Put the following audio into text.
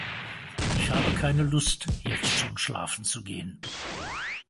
Ich habe keine Lust, jetzt schon schlafen zu gehen.